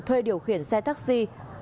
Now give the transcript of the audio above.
thuê điều khiển xe taxi